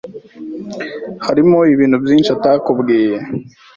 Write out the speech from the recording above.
Hariho ibintu byinshi atakubwiye.